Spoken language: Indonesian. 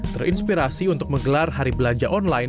terinspirasi untuk menggelar hari belanja online